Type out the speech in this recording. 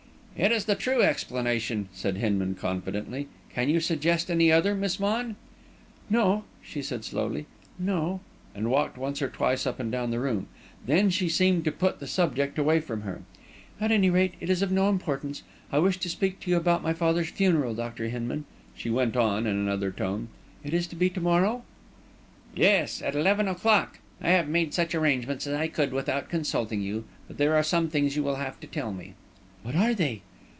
"It is the true explanation," said Hinman, confidently. "Can you suggest any other, Miss Vaughan?" "No," she said, slowly; "no," and walked once or twice up and down the room. Then she seemed to put the subject away from her. "At any rate, it is of no importance. I wish to speak to you about my father's funeral, Dr. Hinman," she went on, in another tone. "It is to be to morrow?" "Yes at eleven o'clock. I have made such arrangements as I could without consulting you. But there are some things you will have to tell me." "What are they?"